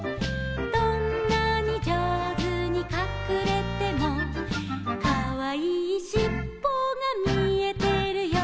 「どんなに上手にかくれても」「かわいいしっぽが見えてるよ」